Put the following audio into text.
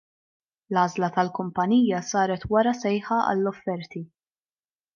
L-għażla tal-kumpanija saret wara sejħa għall-offerti.